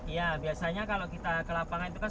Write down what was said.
ya biasanya kalau kita ke lapangan itu kan